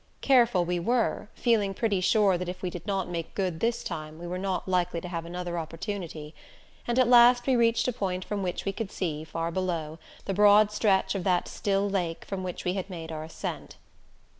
Careful we were, feeling pretty sure that if we did not make good this time we were not likely to have another opportunity; and at last we reached a point from which we could see, far below, the broad stretch of that still lake from which we had made our ascent.